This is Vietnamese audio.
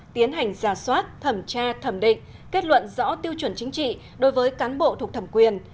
tiến hành giả soát thẩm tra thẩm định kết luận rõ tiêu chuẩn chính trị đối với cán bộ thuộc thẩm quyền